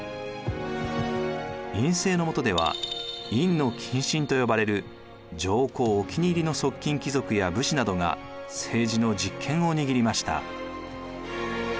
院政のもとでは院近臣と呼ばれる上皇お気に入りの側近貴族や武士などが政治の実権を握りました。